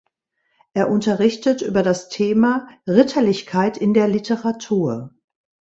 Er unterrichtet über das Thema "Ritterlichkeit in der Literatur".